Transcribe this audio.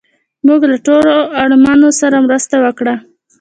موږ له ټولو اړمنو سره مرسته وکړه